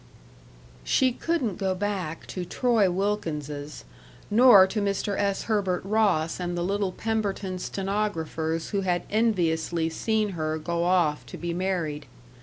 § 2 She couldn't go back to Troy Wilkins's, nor to Mr. S. Herbert Ross and the little Pemberton stenographers who had enviously seen her go off to be married.